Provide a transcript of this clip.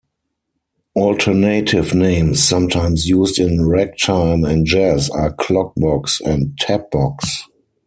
Alternative names sometimes used in ragtime and jazz are clog box and tap box.